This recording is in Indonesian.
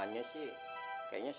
urnya dia beli garas